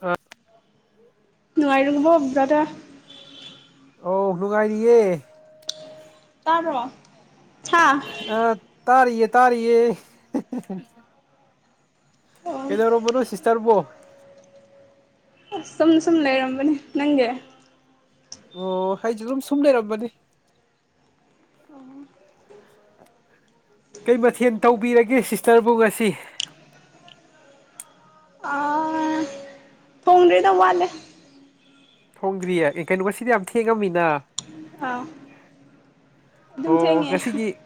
ꯑ ꯅꯨꯡꯉꯥꯏꯔꯕꯣꯕ꯭ꯔꯥꯗ ꯑꯧ ꯅꯨꯡꯉꯥꯏꯔꯤꯌꯦ ꯇꯥꯔꯣ ꯑ ꯇꯔꯤꯦ ꯇꯥꯔꯤꯦ ꯀꯗꯔ ꯑꯁ ꯃꯅꯣ ꯁꯤꯤꯁꯇꯔꯕꯨꯣ ꯑ ꯁꯨꯝꯅ ꯁꯨꯝ ꯂꯩꯔꯝꯕꯅꯦ ꯅꯪꯒꯤ ꯑꯣ ꯑꯩꯁꯦ ꯑꯗꯨꯝ ꯁꯨꯝ ꯂꯩꯔꯝꯕꯅꯤ ꯀꯩ ꯃꯊꯦꯜ ꯇꯧꯕꯤꯔꯒꯦ ꯁꯤꯁꯇꯔꯕꯨ ꯉꯁꯤ ꯑꯥ ꯊꯣꯡꯗ꯭ꯔꯤꯗ ꯋꯥꯠꯂꯦ ꯊꯣꯡꯗ꯭ꯔꯤꯌꯦ ꯑꯦ ꯀꯩꯅꯣ ꯉꯁꯤꯗꯤ ꯌꯥꯝ ꯊꯦꯡꯉꯝꯃꯤꯅ ꯑꯥ ꯑꯗꯨꯝ ꯑꯣ ꯊꯦꯡꯉꯦ ꯍ ꯉꯁꯤꯒꯤ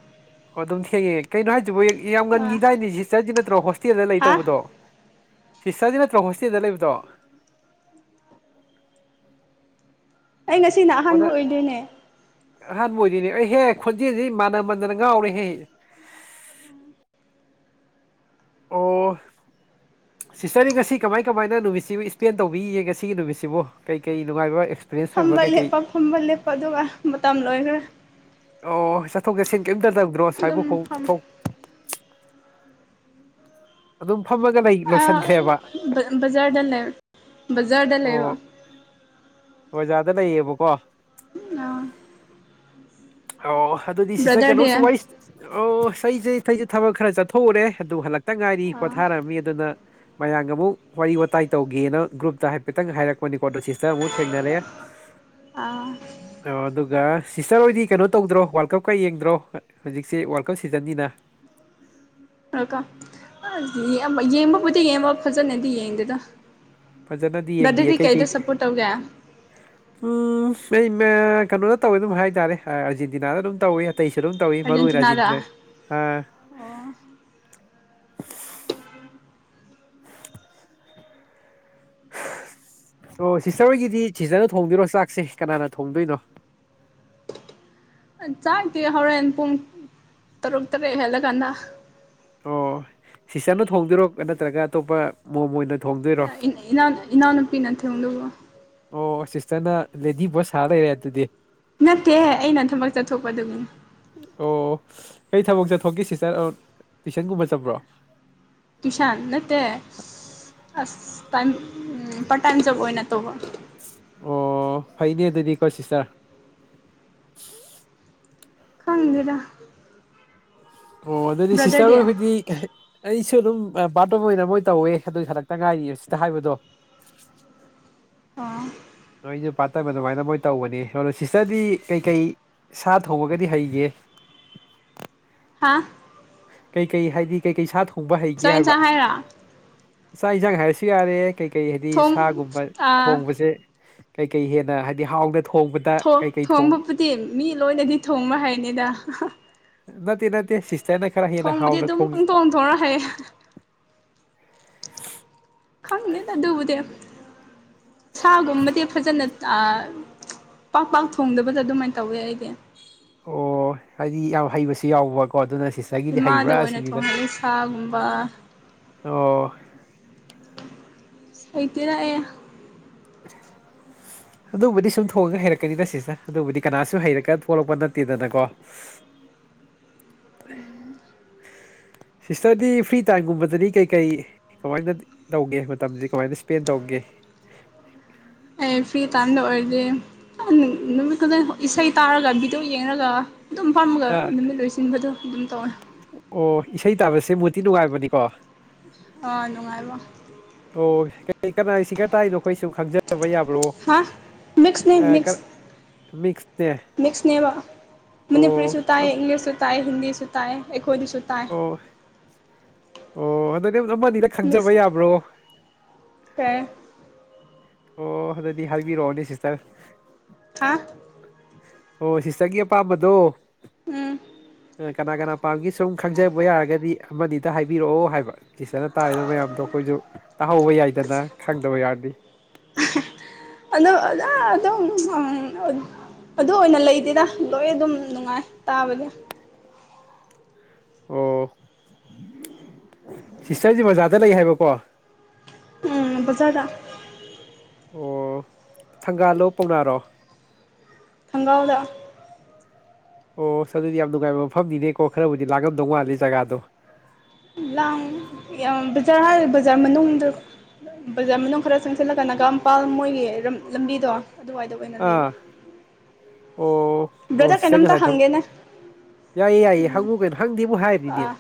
ꯑꯣ ꯑꯗꯨꯝ ꯊꯦꯡꯉꯦ ꯀꯩꯅꯣ ꯍꯥꯏꯖꯤꯕꯨ ꯌꯥꯝ ꯑꯥ ꯉꯟꯒꯤꯗꯥꯏꯅꯦ ꯁꯤꯁꯇꯔꯖꯤ ꯅꯠꯇ꯭ꯔꯣ ꯍꯣꯁꯇꯦꯜꯗ ꯂꯩ ꯍꯥ ꯇꯧꯕꯗꯣ ꯁꯤꯁꯇꯔꯖꯤ ꯅꯠꯇ꯭ꯔꯣ ꯍꯣꯁꯇꯦꯜꯗ ꯂꯩꯕꯗꯣ ꯑꯩ ꯉꯁꯤꯅ ꯑꯣ ꯑꯍꯥꯟꯕ ꯅꯪ ꯑꯣꯏꯗꯣꯏꯅꯦ ꯑꯍꯥꯟꯕ ꯑꯣꯏꯗꯤꯅꯦ ꯑꯩꯍꯦ ꯈꯣꯟꯖꯦꯜꯁꯤ ꯃꯥꯟꯅ ꯃꯟꯗꯅ ꯉꯥꯎꯔꯦꯍꯦ ꯎꯝ ꯑꯣ ꯂꯧꯁꯤꯟꯕ ꯉꯝꯗꯕ ꯁꯤꯁꯇꯔꯗꯤ ꯉꯁꯤ ꯀꯃꯥꯏ ꯀꯃꯥꯏꯅ ꯅꯨꯃꯤꯠꯁꯤꯕꯨ ꯏꯁ꯭ꯄꯦꯟ ꯇꯧꯕꯤꯒꯤꯒꯦ ꯉꯁꯤꯒꯤ ꯅꯨꯃꯤꯠꯁꯤꯕꯨ ꯀꯩ ꯀꯔꯤ ꯅꯨꯡꯉꯥꯏꯕ ꯑꯦ ꯐꯝꯕ ꯂꯦꯞꯄ ꯐꯝꯕ ꯂꯦꯞꯄ ꯑꯗꯨꯒ ꯃꯇꯝ ꯂꯣꯏꯈ꯭ꯔꯦ ꯑꯣ ꯆꯠꯊꯣꯛ ꯆꯠꯁꯤꯟ ꯀꯩꯏꯝꯇ ꯇꯧꯗ꯭ꯔꯣ ꯑꯗꯨꯝ ꯑꯁ꯭ꯋꯥꯏꯕꯨꯛ ꯈꯣꯡ ꯐꯝ ꯆꯠꯊꯣꯛ ꯑꯗꯨꯝ ꯐꯝꯃꯒ ꯂꯩ ꯑꯥ ꯂꯣꯏꯁꯤꯟꯈ꯭ꯔꯦꯕ ꯕ ꯕꯖꯥꯔꯗ ꯂꯩ ꯕꯖꯥꯔꯗ ꯂꯩꯕ ꯑꯣ [unintelligible] ꯕꯖꯥꯔꯗ ꯂꯩꯌꯦꯕꯀꯣ ꯑꯥ ꯑꯥꯎ ꯑꯗꯨꯗꯤ ꯁꯤꯁꯇꯔ ꯕ꯭ꯔꯗꯔꯗꯤ ꯀꯩꯅꯣꯝꯁꯨꯝ ꯋꯥꯔꯤ ꯑꯣ ꯑꯁ ꯑꯩꯖꯦ ꯊꯩꯖꯦ ꯊꯕꯛ ꯈꯔ ꯆꯠꯊꯣꯛꯎꯔꯦ ꯑꯗꯨ ꯍꯜꯂꯛꯇ ꯉꯥꯏꯔꯤ ꯑꯥ ꯄꯣꯊꯥꯔꯝꯃꯤ ꯑꯗꯨꯅ ꯃꯌꯥꯝꯒ ꯑꯃꯨꯛ ꯋꯥꯔꯤ ꯋꯥꯇꯥꯏ ꯇꯧꯒꯦꯅ ꯒ꯭ꯔꯨꯞꯇ ꯍꯥꯏꯐꯦꯠꯇꯪ ꯍꯥꯏꯔꯛꯄꯅꯤꯀꯣ ꯑꯗ ꯁꯤꯁ ꯇꯔ ꯑꯃꯨꯛ ꯊꯦꯡꯅꯔꯦ ꯑꯣ ꯑꯥ ꯑꯗꯨꯒ ꯁꯤꯁꯇꯔ ꯍꯣꯏꯗꯤ ꯀꯩꯅꯣ ꯇꯧꯗ꯭ꯔꯣ ꯋꯥꯔꯜ ꯀꯞꯀ ꯌꯦꯡꯗ꯭ꯔꯣ ꯍ ꯍꯨꯖꯤꯛꯁꯦ ꯋꯥꯔꯜ ꯀꯞ ꯁꯤꯖꯟꯅꯤꯅ [unintelligible] ꯔꯣ ꯀ ꯑ ꯌꯦꯡꯕ ꯌꯦꯡꯕꯕꯨꯗꯤ ꯌꯦꯡꯕ ꯐꯖꯅꯗꯤ ꯌꯦꯡꯗꯦꯗ ꯐꯖꯅꯗꯤ ꯌꯦꯡꯗꯤꯌꯦ ꯗꯗꯤꯗꯤ ꯀꯩ ꯀꯩ ꯀꯩꯗ ꯁꯞꯄꯣꯔꯠ ꯇꯧꯒꯦ ꯎꯝ ꯃꯦꯏꯃꯥ ꯀꯩꯅꯣꯅ ꯇꯧꯋꯦ ꯑꯗꯨꯝ ꯍꯥꯏꯇꯥꯔꯦ ꯑ ꯑꯔꯖꯦꯟꯇꯤꯅꯥꯗ ꯑꯗꯨꯝ ꯇꯧꯋꯦ ꯑꯇꯩꯁꯨ ꯑꯗꯨꯝ ꯇꯧꯏ ꯃꯔꯨ ꯑꯣꯏꯅ ꯑꯥꯔꯖꯦꯟꯇꯤꯅꯥꯗ ꯑꯔꯖꯦꯟꯇꯤꯅꯥ ꯑꯥ ꯑꯣ ꯑꯣ ꯁꯤꯁꯇꯔ ꯍꯣꯏꯒꯤꯗꯤ ꯁꯤꯇꯔꯅ ꯊꯣꯡꯗꯣꯏꯔꯣ ꯆꯥꯛꯁꯦ ꯀꯅꯥꯅ ꯊꯣꯡꯗꯣꯏꯅꯣ ꯂꯧꯁꯤꯟꯕ ꯉꯝꯗꯕ ꯑ ꯆꯥꯛꯇꯤ ꯍꯧꯔꯦꯟ ꯄꯨꯡ ꯇꯔꯨꯛ ꯇꯔꯦꯠ ꯍꯦꯜꯂꯀꯥꯟꯗ ꯑꯣ ꯁꯤꯁꯇꯔꯅ ꯊꯣꯡꯗꯣꯏꯔꯣ ꯅꯠꯇ꯭ꯔꯒ ꯑꯇꯣꯞꯄ ꯃꯣꯝ ꯑꯣꯏꯅ ꯊꯣꯡꯗꯣꯏꯔꯣ ꯏ ꯏꯅꯥ ꯏꯅꯥꯎ ꯅꯨꯄꯤꯅ ꯊꯣꯡꯗꯣꯕ ꯑꯣ ꯁꯤꯁꯇꯔꯅ ꯂꯦꯗꯤ ꯕꯣꯁ ꯁꯥꯔꯥ ꯂꯩꯔꯦ ꯑꯗꯨꯗꯤ ꯅꯠꯇꯦ ꯑꯩꯅ ꯊꯕꯛ ꯆꯠꯊꯣꯛꯄꯗꯨꯒꯤꯅꯤ ꯀꯔꯤ ꯊꯕꯛ ꯆꯠꯊꯣꯛꯀꯦ ꯁꯤꯁꯇꯔ ꯑ ꯇꯨꯏꯁꯟꯒꯨꯝꯕ ꯆꯠꯄ꯭ꯔꯣ ꯇꯨꯏꯁꯥꯟ ꯅꯠꯇꯦ ꯑꯁ ꯇꯥꯏꯝ ꯎꯝ ꯄꯥꯔꯠ ꯇꯥꯏꯝ ꯖꯣꯕ ꯑꯣꯏꯅ ꯇꯧꯕ ꯑꯣ ꯐꯩꯅꯦ ꯑꯗꯨꯗꯤ ꯀꯣ ꯁꯤꯁꯇꯔ ꯈꯪꯗꯦꯗꯥ ꯑꯣ ꯑꯗꯨꯗꯤ ꯁꯤꯁꯇꯔ ꯍꯣꯏꯕꯨꯗꯤ ꯀꯩ ꯍ ꯑꯩꯁꯨ ꯑꯗꯨꯝ ꯑ ꯄꯥꯔꯠ ꯇꯥꯏꯝ ꯑꯣꯏꯅ ꯃꯣꯏ ꯇꯧꯋꯦ ꯑꯗꯨꯏ ꯍꯜꯂꯛꯇ ꯉꯥꯏꯔꯤ ꯍꯨꯖꯤꯛꯇ ꯍꯥꯏꯕꯗꯣ ꯑꯥ ꯅꯣꯏꯖꯨ ꯄꯥꯠ ꯇꯥꯏꯝ ꯑꯗꯨꯃꯥꯏꯅ ꯃꯣꯏ ꯇꯧꯕꯅꯤ ꯑꯗꯣ ꯁꯤꯁꯇꯔꯗꯤ ꯀꯩꯀꯩ ꯁꯥ ꯊꯣꯡꯕꯒꯗꯤ ꯍꯩꯒꯦ ꯍꯥꯥ ꯀꯩ ꯀꯩ ꯍꯥꯏꯗꯤ ꯀꯩ ꯀꯩ ꯁꯥ ꯊꯣ ꯆꯥꯛ ꯏꯟꯁꯥꯡ ꯍꯥꯏꯔ ꯆꯥꯛ ꯏꯟꯖꯥꯡ ꯍꯥꯏꯔꯁꯨ ꯌꯥꯔꯦ ꯀꯩ ꯀꯩ ꯍꯥꯏꯗꯤ ꯊꯣꯡ ꯁꯥꯒꯨꯝꯕ ꯑꯥ ꯊꯣꯡꯕꯁꯦ ꯀꯩ ꯀꯩ ꯍꯦꯟꯅ ꯍꯥꯏꯗꯤ ꯍꯥꯎꯅ ꯊꯣꯡ ꯊꯣꯡꯕꯗ ꯊꯣꯡ ꯀꯩꯀꯩ ꯊꯣꯡꯕꯕꯨꯗꯤ ꯃꯤ ꯂꯣꯏꯅꯗꯤ ꯊꯣꯡꯕ ꯍꯥꯏꯅꯤꯗ ꯅꯠꯇꯦ ꯅꯠꯇꯦ ꯁꯤꯁꯇꯔꯅ ꯈꯔ ꯍꯦꯟꯅ ꯍꯥꯎꯅ ꯑꯗꯨꯝ ꯊꯣꯡꯖ ꯄꯪꯊꯣꯡ ꯊꯣꯡꯔ ꯍꯩ ꯈꯪꯗꯦꯗ ꯑꯗꯨꯕꯨꯗꯤ ꯁꯥꯒꯨꯝꯕꯗꯤ ꯐꯖꯅ ꯑꯥ ꯄꯥꯛ ꯄꯥꯛ ꯊꯣꯡꯗꯕꯗ ꯑꯗꯨꯃꯥꯏꯅ ꯇꯧꯋꯦ ꯑꯩꯗꯤ ꯑꯣ ꯍꯥꯏꯗꯤ ꯌꯥꯝ ꯍꯩꯕꯁꯨ ꯌꯥꯎꯕꯀꯣ ꯑꯗꯨꯅ ꯁꯤ ꯏꯃꯥꯗ ꯑꯣꯏꯅ ꯊꯣꯡꯍꯜꯂꯦ ꯁꯥꯒꯨꯝꯕ ꯑꯣ ꯍꯩꯇꯦꯗ ꯑꯩ [inaudible] [inaudible] ꯑꯗꯨꯕꯨꯗꯤ ꯁꯨꯝ ꯊꯣꯡꯉꯒ ꯍꯩꯔꯛꯀꯅꯤꯗ ꯁꯤꯁꯇꯔ ꯑꯗꯨꯕꯨꯗꯤ ꯀꯅꯥꯁꯨ ꯍꯩꯔꯒ ꯊꯣꯛꯂꯛꯄ ꯅꯠꯇꯦꯗꯅꯀꯣ [inaudible] [unintelligible] [inaudible] ꯁꯤꯁꯇꯔꯗꯤ ꯐ꯭ꯔꯤ ꯇꯥꯏꯝꯒꯨꯝꯕꯗꯗꯤ ꯀꯩ ꯀꯩ ꯀꯃꯥꯏꯅ ꯇꯧꯒꯦ ꯃꯇꯝꯖꯦ ꯀꯃꯥꯏꯅ ꯏꯁꯄꯦꯟ ꯇꯧꯒꯦ [inaudible] [unintelligible] ꯑꯩ ꯐ꯭ꯔꯤ ꯇꯥꯏꯝꯗ ꯑꯣꯏꯔꯗꯤ ꯗꯨꯝ ꯅꯨꯃꯤꯠ ꯈꯨꯗꯤꯡ ꯏꯁꯩ ꯇꯥꯔꯒ ꯚꯤꯗꯤꯑꯣ ꯌꯦꯡꯔꯒ ꯑꯗꯨꯝ ꯐꯝꯃꯒ ꯑꯥ ꯅꯨꯃꯤꯠ ꯂꯣꯏꯁꯤꯟꯕꯗꯣ ꯑꯗꯨꯝ ꯇꯧꯋꯦ ꯑꯣ ꯏꯁꯩ ꯇꯥꯕꯁꯦ ꯃꯨꯠ ꯊꯤ ꯅꯨꯡꯉꯥꯏꯕꯅꯤꯀꯣ ꯑꯥ ꯅꯨꯡꯉꯥꯏꯕ ꯑꯣ ꯀꯅ ꯀꯅꯥꯏ ꯁꯤꯡꯒꯔ ꯇꯥꯔꯤꯅꯣ ꯑꯩꯈꯣꯏ ꯁꯨ ꯈꯪꯖꯕ ꯌꯥꯕ꯭ꯔꯣ ꯍꯥ ꯃꯤꯛꯁꯅꯦ ꯀꯥꯏ ꯃꯤꯛꯁ ꯀꯔ ꯃꯤꯛꯁ ꯃꯤꯛꯁꯅꯦꯕ ꯃꯅꯤꯄꯨꯔꯤ ꯑꯣ ꯁꯨꯇꯥꯏ ꯑꯝ- ꯏꯪꯂꯤꯁꯁꯨ ꯇꯥꯏ ꯍꯤꯟꯗꯤ ꯁꯨꯇꯥꯏ ꯑꯩ ꯍꯣꯏꯗꯨꯁꯨ ꯇꯥꯏ ꯑꯣ ꯑꯣ ꯑꯗꯨꯅꯦꯕ ꯗꯣ ꯑꯃ ꯑꯅꯤꯗ ꯈꯪꯖꯕ ꯃꯤꯛꯁ ꯌꯥꯕ꯭ꯔꯣ ꯑꯣ ꯑꯗꯨꯗꯤ ꯍꯥꯏꯕꯤꯔꯛꯑꯣꯅꯦ ꯁꯤꯁꯇꯔ ꯍꯥ ꯑꯣ ꯁꯤꯁꯇꯔꯒꯤ ꯑꯄꯥꯝꯕꯗꯣ ꯎꯝ ꯅ ꯀꯅꯥ ꯀꯅꯥ ꯄꯥꯝꯒꯦ ꯁꯨꯝ ꯈꯪꯖꯕ ꯌꯥꯔꯒꯗꯤ ꯑꯃꯅꯤꯗ ꯍꯥꯏꯕꯤꯔꯛꯑꯣ ꯍꯥꯏꯕ ꯇꯤꯆꯔꯅ ꯇꯥꯛꯏꯕ ꯃꯌꯥꯝꯗꯣ ꯑꯩꯈꯣꯏꯖꯨ ꯇꯥꯍꯧꯕ ꯌꯥꯏꯗꯅ ꯈꯪꯗꯕ ꯌꯥꯎꯔꯗꯤ [unintelligible] ꯑꯗꯨ ꯑꯣꯏꯅ ꯂꯩꯇꯦꯗ ꯂꯣꯏ ꯑꯗꯨꯝ ꯅꯨꯡꯉꯥꯏ ꯇꯥꯕꯗ ꯑꯣ ꯁꯤꯁꯇꯔꯖꯦ ꯕꯖꯥꯔꯗ ꯂꯩ ꯍꯥꯏꯕꯀꯣ ꯎꯝ ꯕꯖꯥꯔꯗ ꯑꯣ ꯊꯪꯒꯥꯜꯂꯣ ꯄꯥꯎꯅꯥꯔꯣ ꯊꯪꯒꯥꯜꯗ ꯑꯣ ꯑꯁ ꯑꯗꯨꯗꯤ ꯌꯥꯝ ꯅꯨꯡꯉꯥꯏꯕ ꯃꯐꯝꯅꯤꯅꯦꯀꯣ ꯈꯔꯕꯨꯗꯤ ꯂꯥꯡꯉꯝꯗꯧ ꯃꯥꯜꯂꯤ ꯖꯒꯥꯗꯣ ꯂꯥꯡ ꯌꯥꯝ ꯕꯖꯥꯔ ꯍꯥꯏꯔ ꯕꯖꯥꯔ ꯃꯅꯨꯡꯗꯣ ꯕꯖꯥꯔ ꯃꯅꯨꯡ ꯈꯔ ꯆꯪꯁꯜꯂꯒ ꯅꯒꯥꯝꯄꯥꯥꯜ ꯃꯣꯏꯒꯤ ꯂꯝ ꯂꯝꯕꯤꯗꯣ ꯑꯗꯨꯋꯥꯏꯗ ꯑꯣꯏꯅ ꯂꯩꯕ ꯑꯥ ꯑꯣ ꯑꯣ ꯕ꯭ꯔꯗꯔ ꯁꯤꯁꯇꯔ ꯀꯩꯅꯣꯝꯇ ꯉꯁꯥꯏ ꯊꯕꯛ ꯍꯪꯒꯦꯅꯦ ꯌꯥꯏꯌꯦ ꯌꯥꯏꯌꯦ ꯍꯪꯉꯨ ꯀꯩꯅꯣ ꯍꯪꯗꯦꯕꯨ ꯍꯥꯏꯔꯤꯅꯤꯅꯦ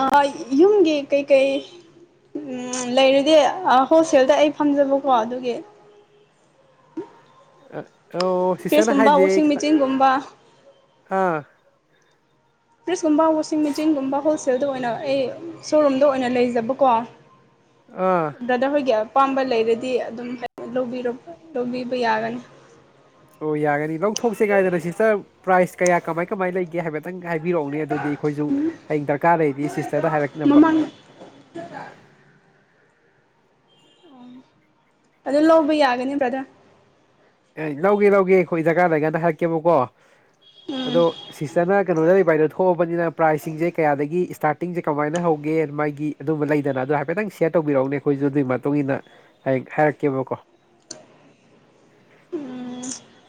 ꯑꯥ ꯌꯨꯝꯒꯤ ꯀꯩ ꯀꯩ ꯎꯝ ꯂꯩꯔꯗꯤ ꯑ ꯍꯣꯜꯁꯦꯜꯗ ꯑꯩ ꯐꯝꯖꯕꯀꯣ ꯑꯗꯨꯒꯤ ꯑ ꯑꯣ ꯁꯤꯁꯇꯔꯅ ꯐ꯭ꯔꯤꯖꯀꯨꯝꯕ ꯍꯥꯏꯖꯦ ꯑꯩ ꯋꯥꯁꯤꯡ ꯈꯤꯇꯪ ꯃꯦꯆꯤꯟꯒꯨꯝꯕ ꯑꯥ ꯐ꯭ꯔꯤꯁꯀꯨꯝꯕ ꯋꯥꯁꯁꯤꯡ ꯃꯦꯆꯤꯟꯒꯨꯝꯕ ꯍꯣꯜꯁꯦꯜ ꯇꯦꯜꯗ ꯑꯣꯏꯅ ꯑꯩ ꯁꯣꯔꯨꯝꯗ ꯑꯣꯏꯅ ꯂꯩꯖꯕꯀꯣ ꯑꯥ ꯕ꯭ꯔꯗꯔ ꯍꯣꯏꯒꯤ ꯑꯄꯥꯝꯕ ꯂꯩꯔꯗꯤ ꯑꯗꯨꯝ ꯂꯧꯕꯤꯔꯕ ꯂꯧꯕꯤꯕ ꯌꯥꯒꯅꯤ ꯍꫭ ꯌꯥꯒꯅꯤ ꯂꯧꯊꫭꯛꯁꯤ ꯉꯥꯏꯗꯅ ꯁꯤꫪꯇꯔ ꯄ꯭ꯔꯥꯁ ꯀꫪꯥ ꯀꯃꯥꯏ-ꯀꯃꯥꯏ ꯂꯩꯒ‌ꯦ ꯍꯥꯏꯐ‌ꯦꯠꯇꯡ ꯍꯥꯏꯕꯤꯔꯛꯎꯅꯦ ꯑꯗꯨꯗꯤ ꯑꯩꯈꯣꯏꯖꯨ ꯍꯌꯦꯡ ꯗꯔꯀꯥꯔ ꯂꯩꫪꯗꯤ ꯁꯤꯁꯇꯔꯗ ꯍꯥꯏꯔꯛꯅꯕ ꯃꯃꯥꯡ [unintelligible] ꯑꯝ ꯑꯗꯨ ꯂꯧꯕ ꯌꯥꯒꯅꯤ ꯕꯗ꯭ꫪ ꯑꯦ ꯂꯧꯒꯦ ꯂꯧꯒꯦ ꯑꯩꯈꯣꯏ ꯗꫪꯄꫪ ꯂꯩꫪꯀꯥꯜꯗ ꯍꯥꯏꯔꯛꯀꯦꯕꯀꯣ ꯎꯝ ꯑꯗꯣ ꯁꯤꯁꯇꯔꯅ ꯀꯩꯅꯣꯗ ꯂꯩꯕ ꯊꯣꯛꯑꯕꯅꯤꯅ ꯄ꯭ꯔꯥꯏꯁꯤꯡꯁꯦ ꯀꯌꯥꯗꯒꯤ ꯏꯁꯇꯥꯔꯇꯤꯡꯁꯦ ꯀꯃꯥꯏꯅ ꯍꯧꯒꯦ ꯃꯥꯒꯤ ꯑꯗꯨꯝꯕ ꯂꯩꯗꯅ ꯑꯗꯥꯅ ꯍꯥꯏꯐꯦꯠꯇꯪ ꯁꯤꯦꯌꯔ ꯇꯧꯕꯤꯔꯛꯎꯅꯦ ꯑꯩꯈꯣꯏꯁꯨ ꯑꯗꯨꯒꯤ ꯃꯇꯨꯡ ꯏꯟꯅ ꯍꯛ ꯍꯥꯏꯔꯛꯀꯦꯕꯀꯣ [inaudible]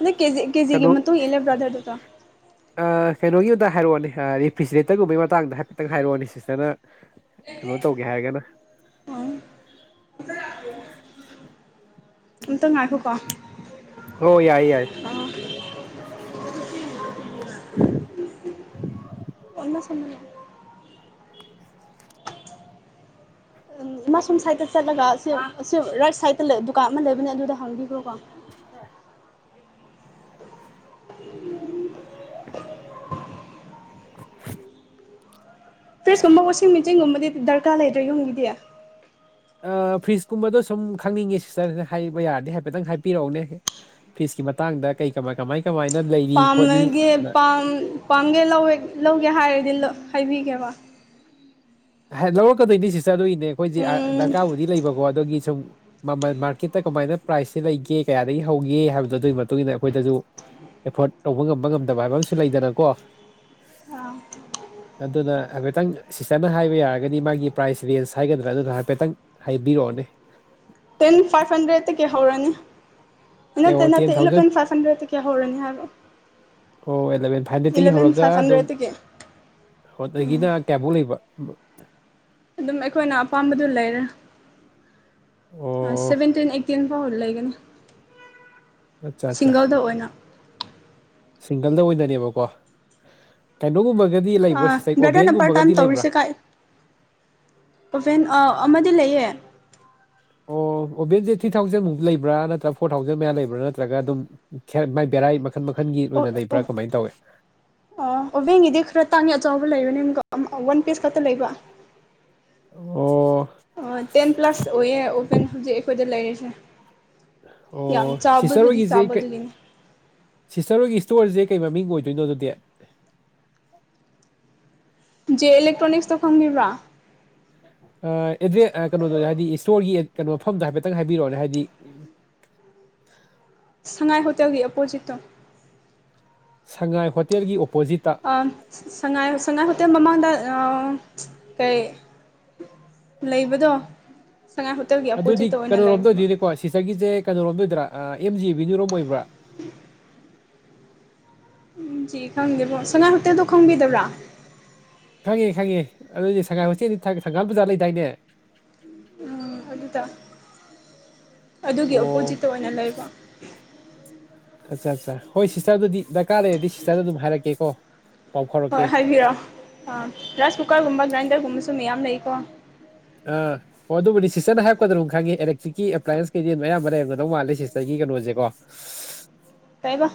ꯅꫭꯏ ꯀꯦꯖꯤ ꯀꯦꯖꯤꯒꯤ ꯀꯩꯅꯣ ꯃꯇꯨꯡ ꯏꯟꯂ‌ꯦ ꯕꯗ꯭ꫪ ꯑꯩ ꯀꯩꯅꯣꯒꯤ ꯑꯗ ꯍꯥꯏꯔꯛꯑꯣꯅꯦ ꯔꯤꯐ꯭ꯔꯤꯖꯔꯦꯇꯔꯒꯨꯝꯕꯒꯤ ꯃꯇꯥꯡꯗ ꯍꯥꯏꯐꯦꯠꯇꯪ ꯍꯥꯏꯔꯛꯑꯣꯅꯦ ꯁꯤꯁꯇꯔꯅ ꯀꯩꯅꯣ ꯇꯧꯒꯦ ꯍꯥꯏꯒꯅ ꯎꯝ ꯑꯝꯇ ꯉꯥꯏꯈꯣꯀꯣ ꯍꫭ ꯌꯥꯏ ꯌꯥꯏ [unintelligible] ꯏꯃ ꯁꫭꯝꯗ ꯂꯥꯎ ꯎꯝ ꯏꯃꯥ ꯁꯣꯝ ꯁꯥꯏꯗꯇ ꯆꯠꯂꯒ ꯑꯁꯤ ꯔꯥꯏꯠ ꯁꯥꯏꯇꯂ‌ꯦ ꯗꯨꯀꯥꯟ ꯑꯃ ꯂꯩꯕꯅꯦ ꯑꯗꯨꯗ ꯍꯪꯕꯤꯒꯔꯣ ꯀꯣ [unintelligible] ꯐ꯭ꯔꯤꯖꯀꯨꯝꯕ ꯋꯥꯁꯤꯡ ꯃꯦꯆꯤꯟꯒꯨꯝꯕꯗꯤ ꯗꯔꯀꯥꯔ ꯂꯩꯇꯔꫭ ꯌꯨꯝꯒꯤꯗꯤ ꯐꯖꯀꯨꯝꯕꯗꯥ ꯁꯨꯝ ꯈꯪꯅꯤꯡꯉꯦ ꯁꯤꯁꯇꯔ ꯍꯥꯏꯕ ꯌꯥꯔꯗꯤ ꯍꯥꯏꯐꯦꯠꯇꯪ ꯍꯥꯏꯕꯤꯔꯛꯎꯅꯦ ꯐꯤꯁ ꯀꯤ ꯃꯇꯥꯡꯗ ꯀꯩ ꯀꯃꯥꯏ ꯀꯃꯥꯏ ꯀꯃꯥꯏꯅ ꯂꯩꯔꯤ ꯈꯣꯠꯂꯤ ꯄꯥꯝꯃꯒꯦ ꯄꯥꯝꯒꯦ ꯂꯧ ꯂꯧꯒꯦ ꯍꯥꯏ ꯗꯤꯜꯂ ꯍꯥꯏꯕꯤꯒꯦꯕ ꯍꯥꯏ ꯂꯧꯔꯛꯀꯗꯣꯏꯅꯤ ꯁꯤꯁꯇ ꯑꯗꯨꯒꯤꯅꯦ ꯑꯩꯈꯣꯏꯗ ꯎꯝ ꯗꯔꯀꯥꯔꯕꯨꯗꯤ ꯂꯩꯕꯀꯣ ꯑꯗꯒꯤ ꯁꯨꯝ ꯃꯃꯥꯡ ꯃꯥꯔꯀꯦꯠꯇ ꯀꯃꯥꯏꯅ ꯄ꯭ꯔꯥꯏꯁ‌ꯦ ꯂꯩꯒꯦ ꯀꯌꯥꯗꯒꯤ ꯍꯧꯒꯦ ꯍꯥꯏꯕꯗꫭ ꯑꯗꯨꯒꯤ ꯃꯇꯨꯡ ꯏꯟꯅꯥ ꯑꯩꯈꯣꯏꯗꯁꯨ ꯑꯦꯐꯣꯔꯠ ꯇꯧꯕ ꯉꯝꯕ ꯉꯝꯗꯕ ꯍꯥꯏꯕ ꯑꯃꯁꯨ ꯂꯩꯗꯅꯀꯣ ꯑꯗꯨꯅ ꯍꯥꯏꯐꯦꯠꯇꯡ ꯁꯤꯁꯇ ꯍꯥꯏꯕ ꯌꯥꯔꯒꯅꯤ ꯃꯥꯒꯤ ꯄ꯭ꯔꯥꯏꯁ ꯔꯦꯟꯁ ꯍꯥꯏꯒꯗ꯭ꯔꯥ ꯑꯗꯨꯗ ꯍꯥꯏꯐꯦꯠꯇꯡ ꯍꯥꯏꯕꯤꯔꯛꯑꯣꯅꯦ ꯇꯦꯟ ꯐꯥꯏꯚ ꯍꯟꯗ꯭ꯔꯦꯠꯇꯒꯤ ꯍꯧꯔꯅꯤ ꯅꯠꯇꯦ ꯇꯦꯟ ꯇꯦꯟ ꯅꯠꯇꯦ ꯊꯥꯎꯖꯟ ꯏꯂꯚꯦꯟ ꯐꯥꯏꯚ ꯍꯟꯗ꯭ꯔꯦꯠꯇꯒꯤ ꯍꯧꯔꯅꯤ ꯍꯥꯏꯕ ꯑꯣ ꯑꯂꯚꯦꯟ ꯐꯥꯏꯚꯠꯇꯒꯤ ꯏꯂꯚꯦꯟ ꯍꯧꯔꯒ ꯐꯥꯏꯚ ꯑꯗꯨꯝ ꯍꯟꯗ꯭ꯔꯦꯗꯇꯒꯤ ꯑꯗꯒꯤꯅ ꯀꯌ‌ꯥꯕꯨꯛ ꯂꯩꯕ ꯑꯗꯨꯝ ꯑꯩꯈꯣꯏꯅ ꯑꯄꯥꯝꯕꯗꯨ ꯂꯩꯔꯦ ꯑꯣ ꯁꯚꯦꯟꯇꯤꯟ ꯑꯦꯇꯤꯟ ꯥꯑ‌ꯣ ꯂꯩꯒꯅꯤ ꯑꯠꯆꯥ ꯑꯠꯆꯥ ꯁꯤꯡꯒꯜꯗ ꯑꯣꯏꯅ ꯁꯤꯡꯒꯜꯗ ꯑꯣꯏꯅꯅꯦꯕꯀꯣ ꯍꯥ ꯀꯩꯅꯣꯒꯨꯝꯕ ꯑꯥ ꯕꯔꯗ‌ꯔꯅꯄꯥꯔ ꯇꯝ ꯇꯧꯔꯤꯁꯦ ꯀꯥꯏ ꯑꫭꯕ‌ꯦꯜ ꯑꯥ ꯑꯃꯥ ꯇꯤꯜ ꯂꯩꯌ‌ꯦ ꯑꯣ ꯑꯣꯕꯦꯟꯁꯦ ꯊ꯭ꯔꯤ ꯊꯥꯎꯖꯟꯃꯨꯛ ꯂꯩꯕ꯭ꯔꯥ ꯅꯠꯇ꯭ꯔꯒ ꯐꯣꯔ ꯊꯥꯎꯖꯟ ꯃꯌꯥ ꯂꯩꯕ꯭ꯔꯥ ꯅꯠꯇ꯭ꯔꯒ ꯑꯗꯨꯝ ꯈ‌ꯦꯠ ꯚꯦꯔꯥꯏ ꯃꯈꯟ ꯃꯈꯟꯒꯤ ꯑꯣꯏꯅ ꯑꫭꯞ ꯂꯩꯕ꯭ꯔꯥ ꯀꯃꯥꯏꯅ ꯇꯧꯋꯤ ꯑꫭꯞ ꯑꯣꯕꯦꯡꯒꯤꯗꯤ ꯈꯔ ꯇꯥꯡꯉꯦ ꯑꯆꯕ ꯂꯩꯕꯅꯤꯅꯀꫭ ꯑꯝ ꯋꯥꯟ ꯄꯤꯁ ꯈꯛꯇ ꯂꯩꯕ ꯑꯣ ꯇꯦꯟ ꯁꯦ ꯑꯣ ꯁꯤꯁꯇꯔ ꯍꯣꯏꯒꯤꯁꯦ ꯀ‌ꯩ ꯑꯗꯨꯒꯤꯅꯤ ꯁꯤꯁꯇꯔ ꯍꯣꯏꯒꯤ ꯏꯁꯇꯣꯔꯁꯦ ꯀꯩ ꯃꯃꯤꯡ ꯑꯣꯏ ꯀꯩꯅꫭ ꯑꯗꯨꯗꯤ ꯖꯦ ꯑꯦꯂꫭꯇ꯭ꯔꯣꯅꯤꯛꯁꯇꫭ ꯗꯪꯕꯤꯕꯔꫭ ꯑꯥ ꯑꯦꯗ꯭ꯔꯦ ꯀꯩꯅꯣꯗꯣ ꯍꯥꯏꯗꯤ ꯏꯁꯇꯣꯔꯒꯤ ꯀꯩꯅꯣ ꯃꯐꯝꯗꯣ ꯍꯥꯏꯐꯦꯠꯇꯪ ꯍꯥꯏꯕꯤꯔꯛꯑꯣꯅꯦ ꯍꯥꯏꯗꯤ ꯁꯉꯥꯏ ꯍꯣꯇꯦꯜꯒꯤ ꯑꯣꯄꯣꯖꯤꯠꯇꯣ ꯁꯉꯥꯏ ꯍꯣꯇꯦꯜꯒꯤ ꯑꯣ ꯑꯥ ꯁꯉꯥꯏ ꯁꯉꯥꯏ ꯍꯣꯇꯦꯜ ꯃꯃꯥꯡꯗ ꯑꯥ.. ꯁꯤꯠ ꯀꯩ ꯂꯩꯕꯗꯣ ꯁꯉꯥꯏ ꯍꯣꯇꯦꯜꯒꯤ ꯑꯗꯨꯗꯤ ꯑꯄꯣꯖꯤꯠꯇ ꯑꯣꯏꯅ ꯀꯩꯅꯣꯔꯣꯝꯗ ꯂꯩꯕ ꯑꯣꯏꯗꯣꯏꯅꯦꯀꯣ ꯁꯤꯁꯇꯔꯒꯤꯖꯦ ꯀꯩꯅꯣꯔꯣꯝꯗ ꯑꯣꯏꯗꯣꯏꯔꯥ ꯑꯦꯝ ꯖꯤ ꯏꯕꯤꯅ꯭ꯌꯨꯔꯣꯝ ꯑꯣꯏꯕ꯭ꯔꯥ [unintelligible] ꯑꯦꯝ ꯖꯤ ꯈꯪꯗꯦꯕꯣ ꯁꯉꯥꯏ ꯍꯣꯇꯦꯜꯗꯣ ꯈꯪꯕꯤꯗꯕ꯭ꯔꯥ ꯈꯪꯉꯦ ꯈꯪꯉꯦ ꯑꯗꯨꯗꯤ ꯁꯉꯥꯏ ꯍꯣꯇꯦꯜꯗꯤ ꯊꯪꯒꯥꯜ ꯕꯖꯥꯔ ꯂꯩꯗꯥꯏꯅꯦ ꯎꯝ ꯑꯗꯨꯗꯥ ꯑꯗꯨꯒꯤ ꯑꯣ ꯑꯣꯄꯣꯖꯤꯠꯇ ꯑꯣꯏꯅ ꯂꯩꯕ ꯑꯠꯆꯥ ꯑꯠꯆꯥ ꯍꯣꯏ ꯁꯤꯁꯇꯔꯗꯨꯗꯤ ꯗꯔꯀꯥꯔ ꯂꯩꯔꯗꯤ ꯁꯤꯁꯇꯔꯗ ꯑꯗꯨꯝ ꯍꯥꯏꯔꯛꯀꯦꯀꯣ ꯄꯥꯎ ꯐꯥꯎꯔꯛꯀꯦ ꯍꯣꯏ ꯍꯥꯏꯕꯤꯔꯣ ꯑꯥ ꯔꯥꯏꯁ ꯀꯨꯀꯔꯒꯨꯝꯕ ꯒ꯭ꯔꯥꯏꯟꯗꯔꯒꯨꯝꯕꯁꯨ ꯃꯌꯥꯝ ꯂꯩꯀꯣ ꯑ ꯑꯣ ꯑꯗꯨꯕꯨꯗꯤ ꯁꯤꯁꯇꯔ ꯍꯥꯏꯔꯛꯄꯗ ꯑꯗꯨꯝ ꯈꯪꯉꯦ ꯑꯦꯂꯦꯛꯇ꯭ꯔꯤꯛꯀꯤ ꯑꯦꯄ꯭ꯂꯥꯏꯌꯦꯟꯁ ꯀꯩꯗꯤ ꯑꯌꯥꯝꯕ ꯂꯩꯔꯝꯒꯗꯧ ꯃꯥꯜꯂꯦ ꯁꯤꯁꯇꯔꯒꯤ ꯀꯩꯅꯣꯁꯦꯀꯣ ꯀꯩꯕ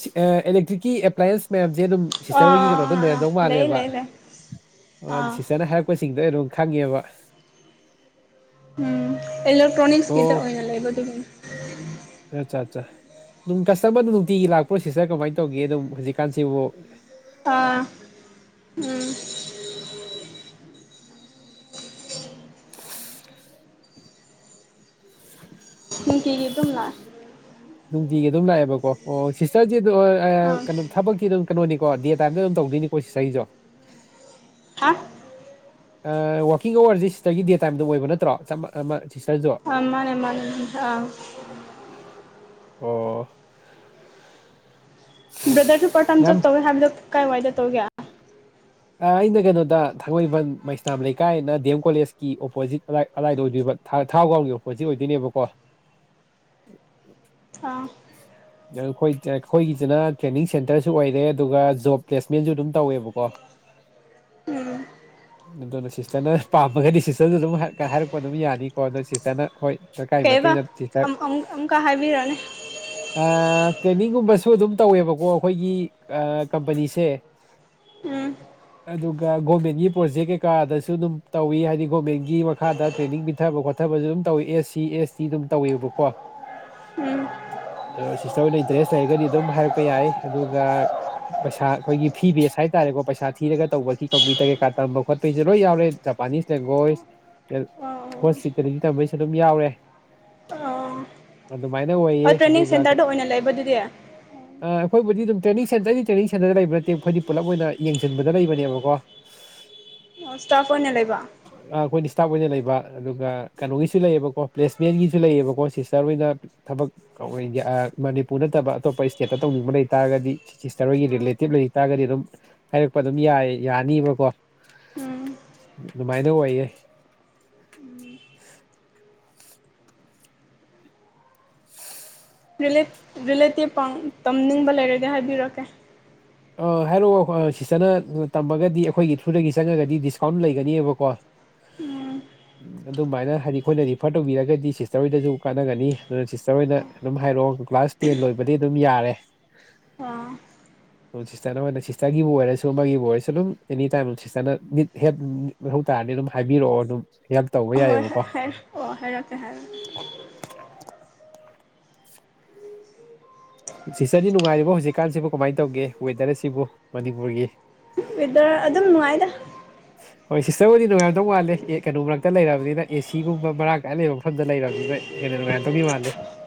ꯁꯤ ꯑ ꯏꯂꯦꯛꯇ꯭ꯔꯤꯛꯀꯤ ꯑꯦ꯭ꯂꯥꯏꯟꯁ ꯃꯌꯥꯝ ꯖꯦ ꯑꯗꯨꯝ ꯁꯤꯁꯇꯔ ꯑꯥ ꯍꯣꯏꯒꯤ ꯀꯩꯅꯣꯗꯨꯝ ꯑꯥ ꯑꯥ ꯂꯩꯔꯝꯗꯧ ꯂꯩ ꯃꯥꯜꯂꯦꯕ ꯂꯩ ꯂꯩ ꯑꯣ ꯑꯥ ꯁꯤꯁꯇꯔꯅ ꯍꯥꯏꯔꯛꯄꯁꯤꯡꯗꯣ ꯑꯩ ꯑꯗꯨꯝ ꯈꯪꯉꯦꯕ ꯎꯝ ꯏꯂꯦꯛꯇ꯭ꯔꯣꯅꯤꯛꯁꯀꯤꯇ ꯑꯣꯏꯅ ꯂꯩꯕ ꯑꯗꯨꯒꯤꯅꯦ ꯑꯆꯥ ꯆꯥ ꯅꯨꯡ ꯀꯁꯇꯃꯔꯗꯨꯞ ꯅꯨꯡꯇꯤꯒꯤ ꯂꯥꯛꯄ꯭ꯔꯣ ꯁꯤꯁꯇꯔ ꯀꯃꯥꯏ ꯇꯧꯒꯦꯗꯨꯝ ꯍꯧꯖꯤꯛꯀꯥꯟꯁꯤꯕꯨ ꯑꯥ ꯎꯝ [unintelligible] ꯅꯨꯡꯇꯤꯒꯤ ꯗꯨꯝ ꯂꯥꯛꯑꯦ ꯅꯨꯡꯇꯤꯒꯤ ꯑꯗꯨꯝ ꯂꯥꯛꯑꯦꯕꯀꯣ ꯑꯣ ꯁꯤꯁꯇꯔꯖꯦꯗꯨ ꯑ ꯑꯥ ꯑ ꯊꯕꯛꯇꯤ ꯑꯗꯨꯝ ꯀꯩꯅꯣꯅꯤꯀꯣ ꯗꯦ ꯇꯥꯏꯝꯗ ꯑꯗꯨꯝ ꯇꯧꯗꯣꯏꯅꯤꯀꯣ ꯁꯤꯁꯇꯔꯒꯤꯁꯨ ꯑꯁ ꯑ ꯋꯥꯛꯀꯤꯡ ꯑꯥꯋ꯭ꯔꯁꯦ ꯁꯤꯇꯔꯒꯤ ꯗꯦ ꯇꯥꯏꯝꯗ ꯑꯣꯏꯕ ꯅꯠꯇ꯭ꯔꯣ ꯆꯃ ꯑꯃ ꯃ ꯑ ꯃꯥꯅꯦ ꯃꯥꯅꯦ ꯑꯥ ꯑꯣ ꯕ꯭ꯔꯗꯔꯁꯨ ꯄꯥ꯭ꯔꯠꯇꯥꯏꯝ ꯌꯥꯝ ꯖꯣꯞ ꯇꯧꯋꯦ ꯍꯥꯏꯕꯗꯣ ꯀꯥꯏ ꯋꯥꯏꯗ ꯇꯧꯒꯦ ꯑ ꯑꯩꯅ ꯀꯩꯅꯣꯗ ꯊꯥꯡꯃꯩꯕꯟ ꯃꯩꯁꯅꯥꯝ ꯂꯩꯀꯥꯏꯅ ꯗꯤ ꯑꯦꯝ ꯀꯣꯂꯦꯖꯀꯤ ꯑꯣꯄꯣꯖꯤꯠ ꯑꯗꯥꯏ ꯑꯗꯥꯏꯗ ꯑꯣꯏꯗꯣꯏꯕ ꯊꯥ ꯊꯥꯎꯒ꯭ꯔꯥꯎꯟꯒꯤ ꯑꯣꯄꯣꯠꯖꯤꯠ ꯑꯣꯏꯗꯣꯏꯅꯦꯕꯀꯣ ꯑꯥ ꯗ ꯈꯣꯏ ꯗ ꯑꯩꯈꯣꯏꯒꯤꯁꯤꯅ ꯇ꯭ꯔꯦꯅꯤꯡ ꯁꯦꯟꯇꯔꯁꯨ ꯑꯣꯏꯔꯦ ꯑꯗꯨꯒ ꯖꯣꯕ ꯄ꯭ꯂꯦꯁꯃꯦꯟꯖꯨ ꯑꯗꯨꯝ ꯇꯧꯋꯦꯕꯀꯣ ꯎꯝ ꯑꯗꯨꯅ ꯁꯤꯁꯇꯔꯅ ꯄꯥꯝꯃꯒꯗꯤ ꯁꯤꯁꯇꯔꯁꯨ ꯑꯗꯨꯝ ꯍꯥꯏꯔꯛ ꯍꯥꯏꯔꯛꯄ ꯑꯗꯨꯝ ꯌꯥꯅꯤꯀꯣ ꯑꯗꯣ ꯁꯤꯁꯇꯔꯅ ꯍꯣꯏ ꯗꯀꯥꯏ ꯀꯩꯕ ꯃꯇꯨꯡꯏꯟꯅ ꯑꯝ ꯇꯤꯆꯪꯪ ꯑꯝ ꯑꯃꯨꯛꯀ ꯍꯥꯏꯕꯤꯔꯛꯑꯣꯅꯦ ꯑꯥ ꯇ꯭ꯔꯦꯟꯅꯤꯡꯒꯨꯝꯕꯁꯨ ꯑꯗꯨꯝ ꯇꯧꯋꯦꯕꯀꯣ ꯑꯩꯈꯣꯏꯒꯤ ꯑ ꯀꯝꯄꯅꯤꯁꯦ ꯎꯝ ꯑꯗꯨꯒ ꯒꯣꯃꯦꯟꯒꯤ ꯄ꯭ꯔꯣꯖꯦꯛ ꯀꯩꯀꯥꯗꯁꯨ ꯑꯗꯨꯝ ꯇꯧꯋꯤ ꯍꯥꯏꯗꯤ ꯒꯣꯃꯦꯟꯒꯤ ꯃꯈꯥꯗ ꯇ꯭ꯔꯦꯅꯤꯡ ꯄꯤꯊꯕ ꯈꯣꯠ ꯆꯠꯊꯕꯁꯨ ꯑꯗꯨꯝ ꯇꯧꯋꯤ ꯑꯦꯁ ꯁꯤ ꯑꯦꯁ ꯇꯤ ꯑꯗꯨꯝ ꯇꯧꯋꯦꯕꯀꯣ ꯎꯝ ꯑꯗꯣ ꯁꯤꯁꯇꯔ ꯍꯣꯏꯅ ꯏꯟꯇꯔꯦꯁ ꯂꯩꯔꯒꯗꯤ ꯑꯗꯨꯝ ꯍꯥꯏꯔꯛꯄ ꯌꯥꯏ ꯑꯗꯨꯒ ꯄꯩꯁꯥ ꯑꯩꯈꯣꯏꯒꯤ ꯐꯤ ꯕꯦꯁ ꯍꯥꯏ ꯍꯥꯏꯇꯥꯔꯦꯀꯣ ꯄꯩꯁꯥ ꯊꯤꯔꯒ ꯇꯧꯕꯒꯤ ꯀꯝꯄ꯭ꯌꯨꯇꯔ ꯀꯩꯥꯀꯥ ꯇꯝꯕ ꯈꯣꯠꯄꯩꯁꯨ ꯂꯣꯏ ꯌꯥꯎꯔꯦ ꯖꯄꯥꯅꯤꯁ ꯂꯦꯡꯒ꯭ꯣꯏꯁ ꯀ ꯑꯣ ꯍꯣꯁꯄꯤꯇꯥꯜꯇꯤ ꯇꯝꯕꯩꯁꯨ ꯑꯗꯨꯝ ꯌꯥꯎꯔꯦ ꯑꯥ ꯑꯗꯨꯃꯥꯏꯅ ꯑꯣꯏꯌꯦ ꯑꯣ ꯇ꯭ꯔꯦꯅꯤꯡ ꯑꯗꯨꯒ ꯁꯦꯟꯇꯔꯗ ꯑꯣꯏꯅ ꯂꯩꯕꯗꯨꯗꯤ ꯍꯣꯏꯕꯨꯗꯤ ꯑꯗꯨꯝ ꯇ꯭ꯔꯦꯅꯤꯡ ꯁꯦꯟꯇ꯭ꯔꯗꯤ ꯇ꯭ꯔꯦꯅꯤꯡ ꯁꯦꯟꯇ꯭ꯔ ꯂꯩꯕ ꯅꯠꯇꯦ ꯈꯣꯏꯗꯤ ꯄꯨꯂꯞ ꯑꯣꯏꯅ ꯌꯦꯡꯖꯟꯕꯗ ꯂꯩꯕꯅꯦꯕꯀꯣ ꯑꯣ ꯁ꯭ꯇꯥꯐ ꯑꯣꯏꯅ ꯂꯩꯕ ꯇꯥꯞ ꯑꯣꯏꯅ ꯂꯩꯕ ꯑꯗꯨꯒ ꯀꯩꯅꯣꯒꯤꯁꯨ ꯂꯩꯌꯦꯕꯀꯣ ꯄ꯭ꯂꯦꯁꯃꯦꯟꯒꯤꯁꯨ ꯂꯩꯌꯦꯕꯀꯣ ꯁꯤꯁꯇꯔ ꯍꯣꯏꯗ ꯊꯕꯛ ꯀꯧꯋꯦꯗꯤ ꯑ ꯃꯅꯤꯄꯨꯔ ꯅꯠꯇꯕ ꯑꯇꯣꯞꯄ ꯁ꯭ꯇꯦꯠꯇ ꯇꯧꯅꯤꯡꯕ ꯂꯩꯇꯥꯥꯔꯒꯗꯤ ꯁꯤꯁꯇ꯭ꯔ ꯍꯣꯏꯒꯤ ꯔꯤꯂꯦꯇꯤꯞ ꯂꯩ ꯇꯥꯔꯒꯗꯤ ꯑꯗꯨꯝ ꯍꯥꯏꯔꯛꯄ ꯑꯗꯨꯝ ꯌꯥꯏ ꯌꯥꯅꯤꯕꯀꯣ ꯎꯝ ꯑꯗꯨꯃꯥꯏꯅ ꯑꯣꯏꯌꯦ ꯔꯤꯂꯦꯇꯤꯞ ꯄ ꯇꯝꯅꯤꯡꯕ ꯂꯩꯔꯒꯗꯤ ꯍꯥꯏꯕꯤꯔꯛꯀꯦ ꯑꯥ ꯍꯥꯏꯔꯛꯑꯣ ꯁꯤꯁꯇꯔꯅ ꯇꯝꯃꯒꯗꯤ ꯑꯩꯈꯣꯏꯒꯤ ꯊ꯭ꯔꯨꯗꯒꯤ ꯆꯪꯉꯒꯗꯤ ꯗꯤꯁꯀꯥꯎꯟ ꯂꯩꯒꯅꯦꯕꯀꯣ ꯎꯝ ꯎ ꯑꯗꯨꯃꯥꯏꯅ ꯍꯥꯏꯗꯤ ꯑꯩꯈꯣꯏꯅ ꯔꯤꯐꯔ ꯇꯧꯕꯤꯔꯒꯗꯤ ꯁꯤꯁꯇꯔ ꯍꯣꯏꯗꯁꯨ ꯀꯥꯟꯅꯒꯅꯤ ꯑꯗꯨꯅ ꯁꯤꯁꯇꯔ ꯍꯣꯏꯅ ꯑꯗꯨꯝ ꯍꯥꯏꯔꯛꯑꯣ ꯀ꯭ꯂꯥꯁ ꯇꯦꯟ ꯂꯣꯏꯕꯗꯤ ꯑꯗꯨꯝ ꯌꯥꯔꯦ ꯑꯥ ꯁꯤꯁꯇꯔꯅ ꯑꯣꯏꯅ ꯁꯤꯁꯇꯔꯒꯤꯕꯨ ꯑꯣꯏꯔꯁꯨ ꯑꯃꯒꯤꯕꯨ ꯑꯣꯏꯔꯁꯨ ꯑꯗꯨꯝ ꯑꯦꯅꯤ ꯇꯥꯏꯝ ꯁꯤꯁꯇꯔꯅꯠ ꯍ ꯑꯗꯨꯝ ꯍꯥꯏꯕꯤꯔꯛꯑꯣꯝ ꯍꯣꯏ ꯍ ꯍꯦ ꯑꯣ ꯍꯦꯔꯀꯦ ꯍꯥꯏꯦꯔꯦ ꯁꯤꯇꯔꯗꯤ ꯅꯨꯡꯉꯥꯏꯔꯤꯕ ꯍꯧꯖꯤꯛꯀꯥꯟꯁꯤꯕꯨ ꯀꯃꯥꯏꯅ ꯇꯧꯒꯦ ꯋꯦꯗꯔ ꯑꯁꯤꯕꯨ ꯃꯅꯤꯄꯨꯔꯒꯤ ꯋꯦꯗꯔ ꯑꯗꯨꯝ ꯅꯨꯡꯉꯥꯏꯗ ꯍꯣꯏ ꯁꯤꯁꯇꯔꯕꯨꯗꯤ ꯅꯣꯡ ꯌꯥꯝꯗꯧ ꯃꯥꯜꯂꯦ ꯑꯦ ꯀꯩꯅꯣ ꯃꯔꯛꯇ ꯂꯩꯔꯕꯅꯤꯅ ꯑꯦꯁꯤꯒꯨꯝꯕ ꯃꯔꯥꯡ ꯀꯥꯏ ꯑ ꯂꯩꯕ ꯃꯐꯝꯗ ꯂꯩꯔꯕꯅꯤꯅ ꯍꯦꯔ ꯇꯣꯅꯤ ꯃꯥꯂꯦ